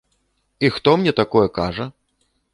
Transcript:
І хто мне такое кажа?